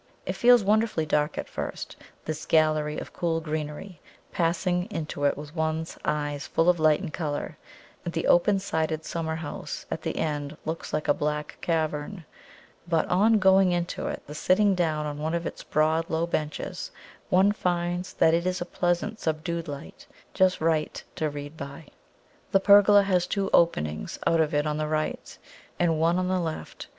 It feels wonderfully dark at first, this gallery of cool greenery, passing into it with one's eyes full of light and colour, and the open sided summer house at the end looks like a black cavern; but on going into it, and sitting down on one of its broad, low benches, one finds that it is a pleasant subdued light, just right to read by. The pergola has two openings out of it on the right, and one on the left.